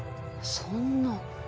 そんな。